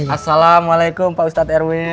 asalamualaikum pak ustadz erwes